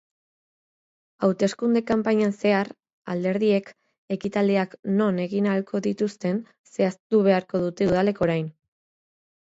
Hauteskunde-kanpainan zehar alderdiek ekitaldiak non egin ahalko dituzten zehaztu beharko dute udalek orain.